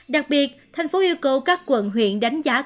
đặc biệt thành phố yêu cầu các quận huyện đánh giá